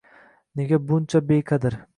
Nega buncha beqadr?